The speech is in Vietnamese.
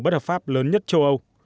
bất hợp pháp lớn nhất châu âu